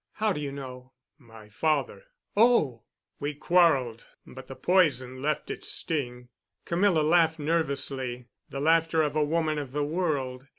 "How do you know?" "My father——" "Oh!" "We quarreled—but the poison left its sting." Camilla laughed nervously, the laughter of a woman of the world.